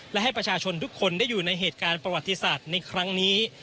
และให้ประชาชนทุกคนได้อยู่ในเหตุการณ์ประวัติศาสตร์ในครั้งนี้